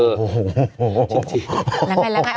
โอ้โหโหโหโหโหโหโหโห